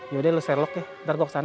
yaudah lo serok ya ntar gue kesana